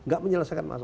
gak menyelesaikan apa apa